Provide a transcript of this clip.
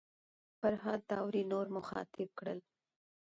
فرهاد داوري نور مخاطب کړل.